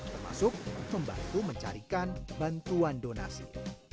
termasuk membantu mencarikan bantuan donasi